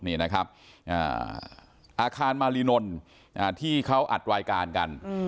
นี่นะครับอาคารมารีนนที่เขาอัดรายการกัน